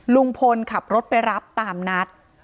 ลุงพลขับรถไปรับตามนัด